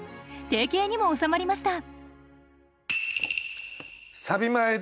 定型にも収まりました。